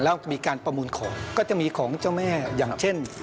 แล้วมีการประมูลของก็จะมีของเจ้าแม่อย่างเช่น